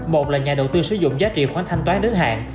một là nhà đầu tư sử dụng giá trị khoản thanh toán đến hạn